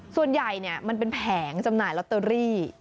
ส่วนใหญ่มันเป็นแผงจำหน่ายลอตเตอรี่